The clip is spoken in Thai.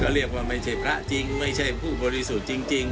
เรียกว่ามันไม่ใช่พระจริง